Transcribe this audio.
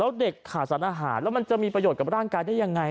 แล้วเด็กขาดสารอาหารแล้วมันจะมีประโยชน์กับร่างกายได้ยังไง